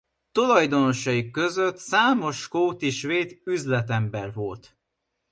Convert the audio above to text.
Tulajdonosai között számos skót és svéd üzletember volt.